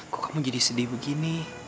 kok kamu jadi sedih begini